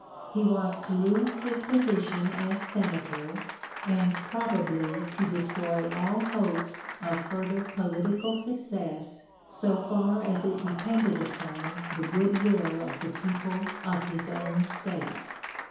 He was to lose his position as Senator, and probably to destroy all hopes of further political success so far as it depended upon the good will of the people of his own State.